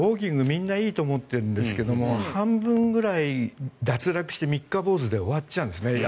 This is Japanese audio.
みんないいと思っているんですが半分くらい脱落して三日坊主で終わっちゃうんですね。